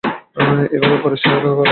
এইভাবে পরের সেবা করা শুভ কর্ম।